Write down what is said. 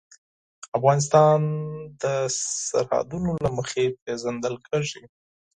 افغانستان د سرحدونه له مخې پېژندل کېږي.